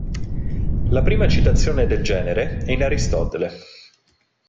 La prima citazione del genere è in Aristotele.